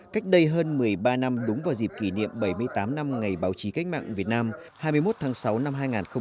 cách đây hơn một mươi ba năm đúng vào dịp kỷ niệm bảy mươi tám năm ngày báo chí cách mạng việt nam hai mươi một tháng sáu năm hai nghìn hai mươi